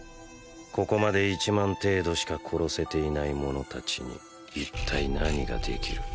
ここまで１万程度しか殺せていない者たちに一体何ができる。